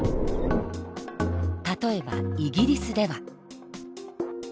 例えばイギリスでは。